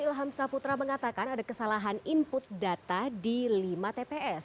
ilham saputra mengatakan ada kesalahan input data di lima tps